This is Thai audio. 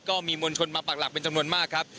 ก็มีมวลชนมาปากหลักเป็นจำนวนมากครับ